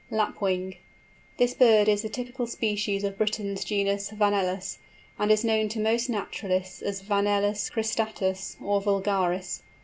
LAPWING. This bird is the typical species of Brisson's genus Vanellus, and is known to most naturalists as Vanellus cristatus or vulgaris.